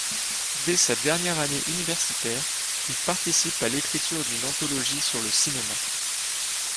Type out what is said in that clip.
Dès sa dernière année universitaire, il participe à l'écriture d'une anthologie sur le cinéma.